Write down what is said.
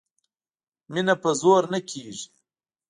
مینه په زور نه کېږي